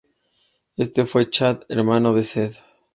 Este fue Chad, hermano de Cedd.